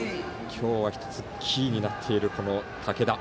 今日は１つキーになっている武田。